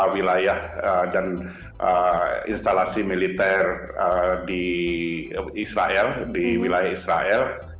wilayah dan instalasi militer di wilayah israel